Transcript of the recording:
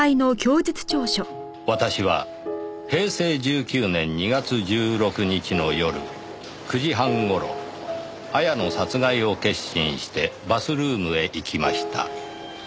「私は平成１９年２月１６日の夜９時半頃亞矢の殺害を決心してバスルームへ行きました」